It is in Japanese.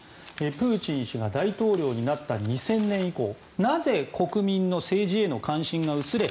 プーチン氏が大統領になった２０００年以降なぜ国民の政治への関心が薄れ